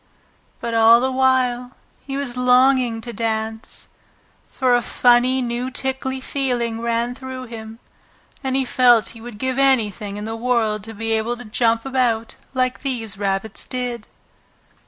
But all the while he was longing to dance, for a funny new tickly feeling ran through him, and he felt he would give anything in the world to be able to jump about like these rabbits did.